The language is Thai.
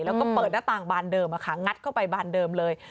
แล้วก็เปิดหน้าต่างบานเดิมงัดเข้าไปบานเดิมเลย